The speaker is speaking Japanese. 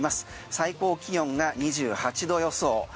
最高気温が２８度予想。